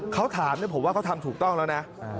เขาถามผมว่าเขาทำถูกต้องแล้วนะ